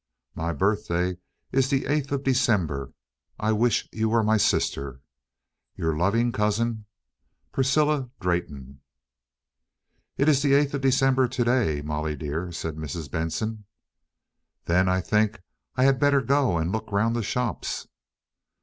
My birthday is the eighth of December. I wish you were my sister. Your loving cousin, "PRISCILLA DRAYTON." "It is the eighth of December to day, Molly dear," said Mrs Benson. "Then I think I had better go and look round the shops."